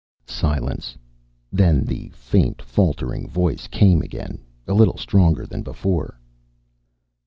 Silence. Then the faint, faltering voice came again, a little stronger than before.